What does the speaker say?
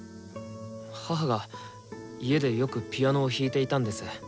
母が家でよくピアノを弾いていたんです。